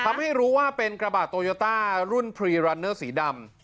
ทำให้รู้ว่าเป็นกระบาดโตโยต้ารุ่นพรีรันเนอร์สีดำ